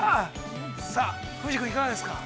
さあ、楓珠君、いかがですか。